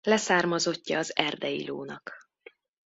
Leszármazottja az erdei lónak.